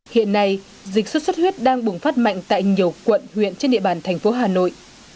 hiện nay dịch xuất xuất huyết đang bùng phát mạnh tại nhiều quận huyện trên địa bàn thành phố hà nội